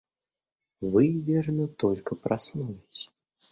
Вы, верно, только проснулись.